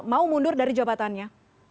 mau mundur dari jabatannya